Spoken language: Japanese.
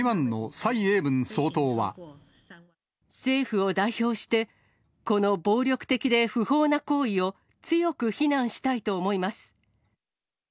政府を代表して、この暴力的で不法な行為を強く非難したいと思います。